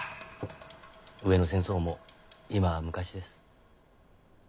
上野戦争も今は昔です。